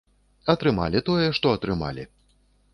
Атрымалі тое, што атрымалі.